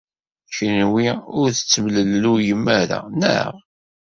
Kenwi ur tettemlelluyem ara, naɣ?